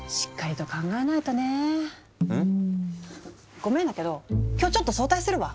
ごめんだけど今日ちょっと早退するわ。